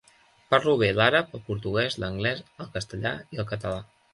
Parlo bé l'àrab, el portuguès, l'anglès, el castellà i el català.